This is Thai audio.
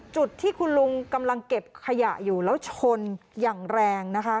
จุดที่คุณลุงกำลังเก็บขยะอยู่แล้วชนอย่างแรงนะคะ